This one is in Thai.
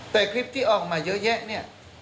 แต่คลิปที่ออกมาเยอะแยะเนี่ย